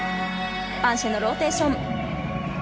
パンシェのローテーション。